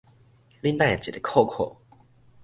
你哪會一个怐怐？